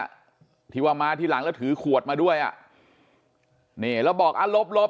อ่ะที่ว่ามาที่หลังแล้วถือขวดมาด้วยอ่ะนี่แล้วบอกอ่ะหลบหลบ